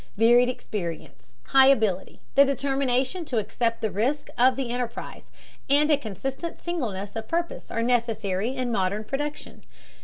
Varied experience, high ability, the determination to accept the risks of the enterprise, and a consistent singleness of purpose are necessary in modern production.